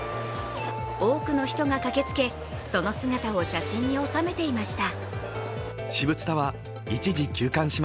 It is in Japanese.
多くの人が駆けつけ、その姿を写真に納めていました。